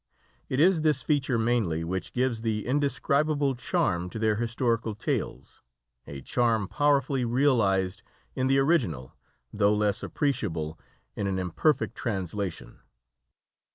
It is this feature mainly which gives the indescribable charm to their historical tales a charm powerfully realised in the original, though less appreciable in an imperfect translation.